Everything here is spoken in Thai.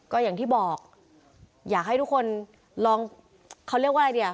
ก็อย่างที่บอกอยากให้ทุกคนลองเขาเรียกว่าอะไรดีอ่ะ